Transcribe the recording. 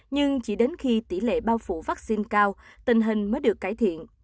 nhưng chỉ đến khi tỷ lệ bao phủ vaccine cao tình hình mới được cải thiện